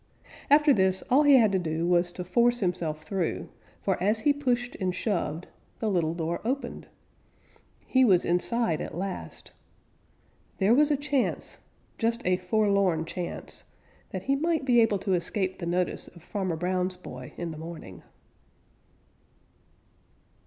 After this, all he had to do was to force himself through, for as he pushed and shoved, the little door opened. He was inside at last! There was a chance, just a forlorn chance, that he might be able to escape the notice of Farmer Brown's boy in the morning.